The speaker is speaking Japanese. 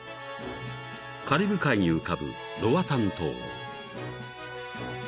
［カリブ海に浮かぶロアタン島］